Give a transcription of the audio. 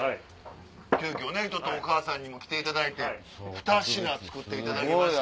急きょおかあさんにも来ていただいてふた品作っていただきました。